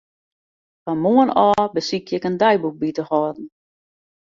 Fan moarn ôf besykje ik in deiboek by te hâlden.